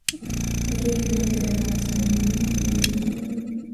د ریګ دښتې د افغانستان د ملي هویت نښه ده.